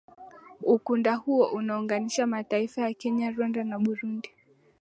Ukunda huo unaunganisha mataifa ya Kenya Uganda Rwanda na Burundi